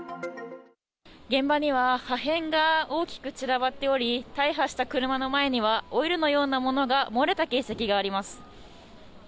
現場には破片が大きく散らばっており、大破した車の前には、オイルのようなものが漏れた形跡があります。